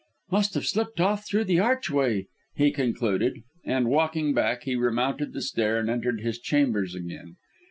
"Must have slipped off through the archway," he concluded; and, walking back, he remounted the stair and entered his chambers again.